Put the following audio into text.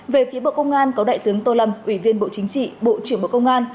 về phía bộ công an có đại tướng tô lâm ủy viên bộ chính trị bộ trưởng bộ công an